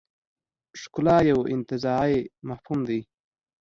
ښکلا یو انتزاعي مفهوم دی.